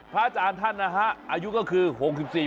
พระอาจารย์ท่านอายุก็คือ๖๔ปี